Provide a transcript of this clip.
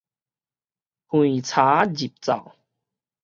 橫柴入灶